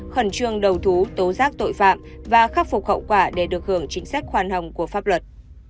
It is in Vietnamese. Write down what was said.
khẩn trương đầu thú tố giác tội phạm và khắc phục hậu quả để được hưởng chính sách khoan hồng của pháp luật